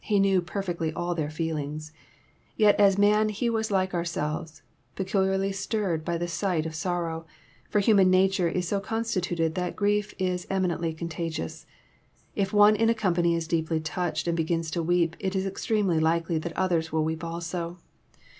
He knew perfectly all their feelings. Tet as man He was like ourselves, peculiarly stirred by the sight of sorrow; for human nature is so constituted that grief is eminently contagious. If one in a company is deeply touched, and begins to weep, it is extremely likely that others will weep also.